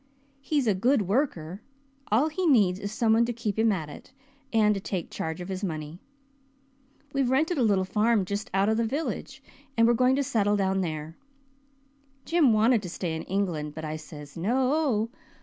He's a good worker all he needs is some one to keep him at it, and to take charge of his money. We've rented a little farm just out of the village, and we're going to settle down there. Jim wanted to stay in England but I says 'No.'